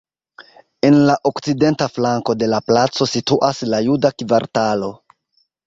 En la okcidenta flanko de la placo situas la juda kvartalo.